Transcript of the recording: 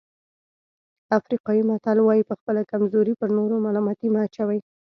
افریقایي متل وایي په خپله کمزوري پر نورو ملامتي مه اچوئ.